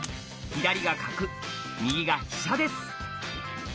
左が角右が飛車です。